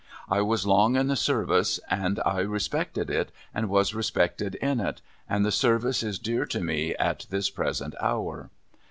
I was long in the service, and I respected it, and was respected in it, and the service is dear to me at this present hour.